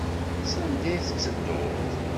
S anda i tettedduḍ?